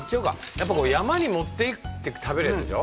やっぱこう山に持って行って食べるやつでしょ。